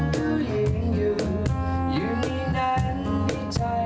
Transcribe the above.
ขอบคุณมากค่ะ